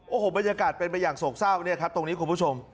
โอ้โหบรรยากาศเป็นไปอย่างโศกเศร้าเนี่ยครับตรงนี้คุณผู้ชม